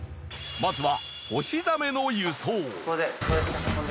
まずは。